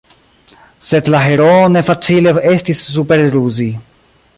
Sed la heroon ne facile estis superruzi.